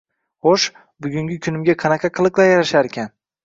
Xo‘sh, bugungi kunimga qanaqa qiliqlar yarasharkin?